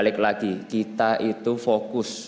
balik lagi kita itu fokus